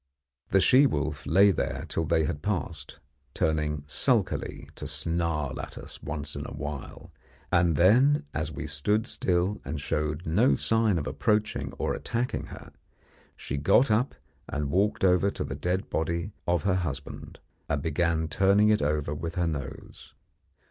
The she wolf lay there till they had passed, turning sulkily to snarl at us once in a while, and then, as we stood still and showed no sign of approaching or attacking her, she got up and walked over to the dead body of her husband, and began turning it over with her nose.